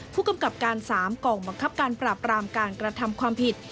ผู้กำกับการ๓กองบังคับการปราบรามการกระทำความผิด